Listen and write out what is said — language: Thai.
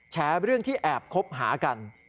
เรื่องที่แอบคบหากัน